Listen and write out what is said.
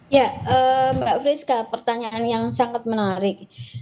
ya mbak friska pertanyaan yang sangat menarik